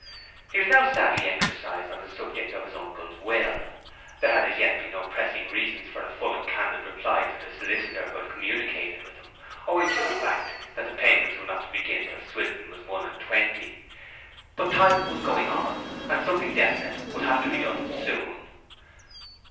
He was now sadly exercised on the subject of his uncle's will. There had as yet been no pressing reasons for a full and candid reply to the solicitor who had communicated with him, owing to the fact that the payments were not to begin till Swithin was one and twenty; but time was going on, and something definite would have to be done soon.